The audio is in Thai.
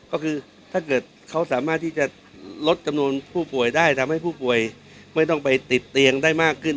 ก็คือถ้าเกิดเขาสามารถที่จะลดจำนวนผู้ป่วยได้ทำให้ผู้ป่วยไม่ต้องไปติดเตียงได้มากขึ้น